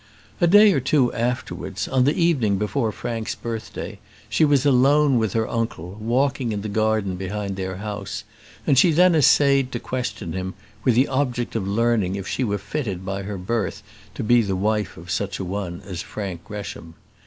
A day or two afterwards, on the evening before Frank's birthday, she was alone with her uncle, walking in the garden behind their house, and she then essayed to question him, with the object of learning if she were fitted by her birth to be the wife of such a one as Frank Gresham.